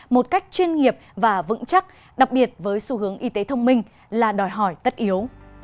một cách chuyên nghiệp và vững chắc đặc biệt với xu hướng y tế thông minh là đòi hỏi tất yếu